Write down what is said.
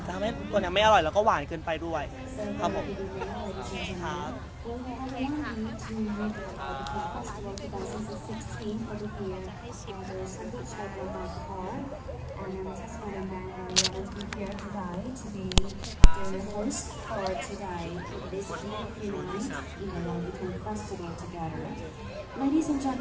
ก็ทำให้ตัวเนี้ยไม่อร่อยแล้วก็หวานเกินไปด้วยครับผมขอบคุณครับ